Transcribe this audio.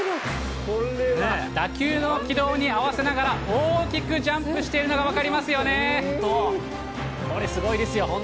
打球の軌道に合わせながら、大きくジャンプしているのが分かこれ、すごいですよ。